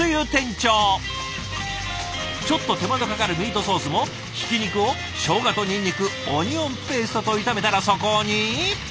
ちょっと手間のかかるミートソースもひき肉をしょうがとにんにくオニオンペーストと炒めたらそこに。